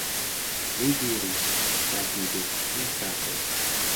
Li dirus: "rapidu, mia frato!"